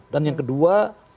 dan yang kedua